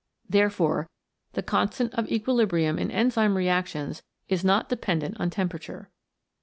Therefore the constant of equilibrium in enzyme reactions is not dependent on temperature.